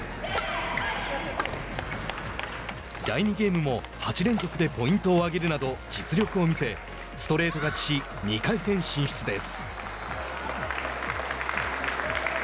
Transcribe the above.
第２ゲームも８連続でポイントを挙げるなど実力を見せストレート勝ちし２回戦進出です。